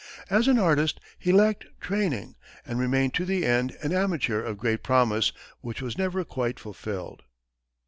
As an artist, he lacked training, and remained to the end an amateur of great promise, which was never quite fulfilled.